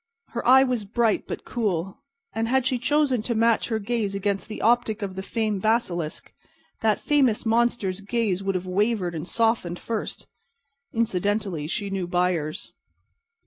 Her eye was bright, but cool; and had she chosen to match her gaze against the optic of the famed basilisk, that fabulous monster's gaze would have wavered and softened first. Incidentally, she knew buyers.